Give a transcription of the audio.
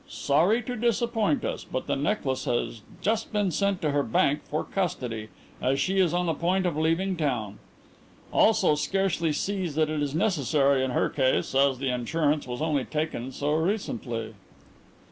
Sorry to disappoint us, but the necklace has just been sent to her bank for custody as she is on the point of leaving town. Also scarcely sees that it is necessary in her case as the insurance was only taken so recently."